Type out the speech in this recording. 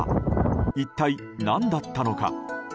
一体何だったのか。